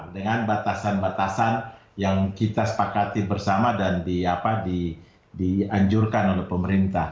dengan batasan batasan yang kita sepakati bersama dan dianjurkan oleh pemerintah